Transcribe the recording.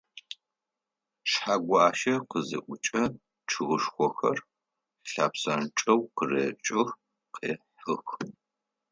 Шъхьэгуащэ къызиукӏэ, чъыгышхохэр лъэпсэнчъэу къыречых, къехьых.